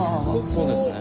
そうですね。